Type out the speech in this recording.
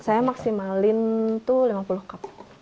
saya maksimalin tuh lima puluh cup